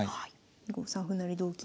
５三歩成同金